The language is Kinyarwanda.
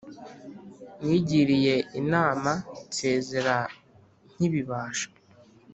Nigiriye inama Nsezera nkibibasha